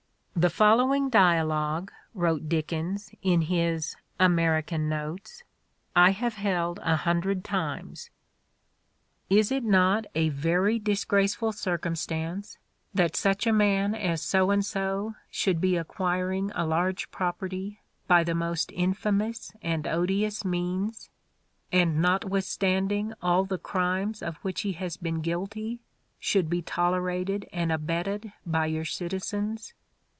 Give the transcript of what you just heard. "The following dialogue," wrote Dickens, in his "American Notes, "" I have held a hundred times :' Is it not a very The Gilded Age 59 disgraceful circumstance that such a man as So and so should be acquiring a large property by the most in famous and odious means, and notwithstanding all the crimes of which he has been guilty, should be tolerated and abetted by your citizens?